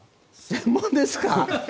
専門ですか？